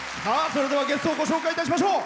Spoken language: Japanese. それではゲストをご紹介いたしましょう。